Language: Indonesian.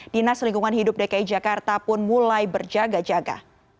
dinas lingkungan hidup dki jakarta pun mulai berjaga jaga